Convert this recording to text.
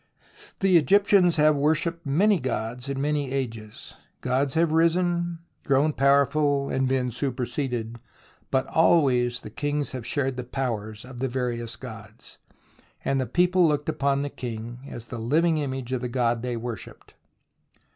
The Egyptians have worshipped many gods in many ages. Gods have risen, gro^vn powerful, and been superseded, but always the kings have shared the powers of the various gods, and the people looked upon the king as the Uving image of the god they v/orshipped.